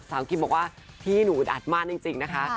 คิมบอกว่าพี่หนูอึดอัดมากจริงนะคะ